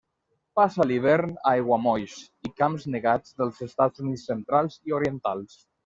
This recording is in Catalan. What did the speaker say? Passa l'hivern a aiguamolls i camps negats dels Estats Units centrals i orientals.